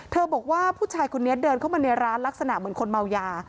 บอกว่าผู้ชายคนนี้เดินเข้ามาในร้านลักษณะเหมือนคนเมายา